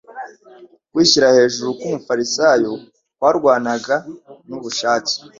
Kwishyira hejuru kw’umufarisayo kwarwanaga n’ubushake